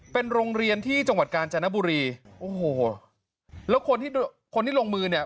เป็นโรงเรียนที่จังหวัดกาญจนบุรีโอ้โหแล้วคนที่คนที่ลงมือเนี่ย